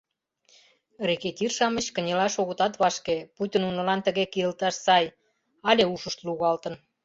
Рэкетир-шамыч кынелаш огытат вашке, пуйто нунылан тыге кийылташ сай, але ушышт лугалтын.